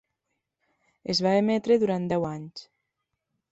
Es va emetre durant deu anys.